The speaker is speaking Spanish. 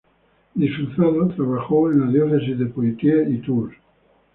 Disfrazado, trabajó en la diócesis de Poitiers y Tours.